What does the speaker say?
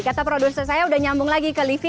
kata produser saya sudah nyambung lagi ke livi